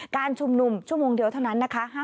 การชุมนุมชั่วโมงเดียวเท่านั้นนะคะ